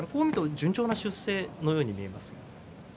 順調な出世のように見えますね。